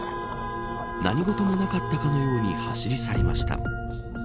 何事もなかったかのように走り去りました。